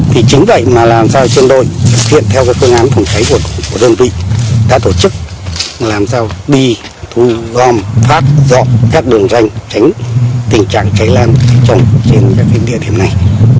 thì chính vậy mà làm sao trên đôi hiện theo các phương án phòng cháy của đơn vị đã tổ chức làm sao bi thu gom phát dọn các đường rành tránh tình trạng cháy lan trọng trên các địa điểm này